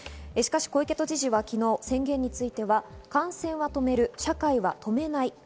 しかし小池都知事は昨日、宣言については感染は止める、社会は止めない。